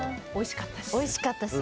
おいしかったし。